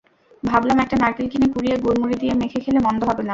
ভাবলাম, একটা নারকেল কিনে কুরিয়ে গুড়-মুড়ি দিয়ে মেখে খেলে মন্দ হবে না।